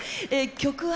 曲は？